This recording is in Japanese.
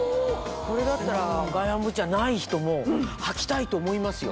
これだったら外反母趾じゃない人も履きたいと思いますよ